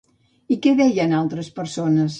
I què deien altres persones?